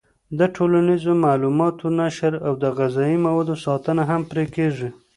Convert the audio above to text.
د ټولنیزو معلوماتو نشر او د غذایي موادو ساتنه هم پرې کېږي.